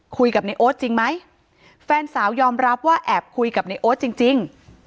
คุยกับในโอ๊ตจริงไหมแฟนสาวยอมรับว่าแอบคุยกับในโอ๊ตจริงจริง